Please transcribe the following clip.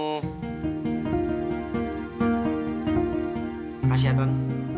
makasih ya ton